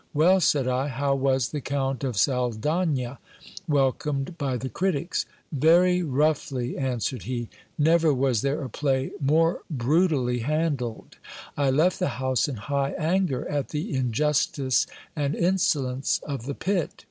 Well, said I, how was "The Count of Saldagna " welcomed by the critics ? Very roughly, answered he ; never was there a play more brutally handled ; I left the house in high anger at the injustice and insolence of the pit.